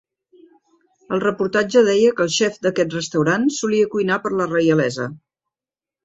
El reportatge deia que el xef d'aquest restaurant solia cuinar per a la reialesa.